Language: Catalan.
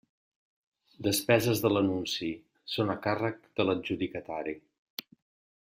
Despeses de l'Anunci: són a càrrec de l'adjudicatari.